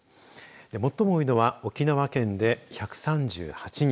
最も多いのは沖縄県で１３８人。